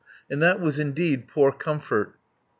And that was indeed poor comfort.